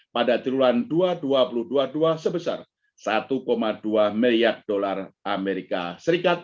pada tribuan dua dua ribu dua puluh dua sebesar satu dua miliar dolar as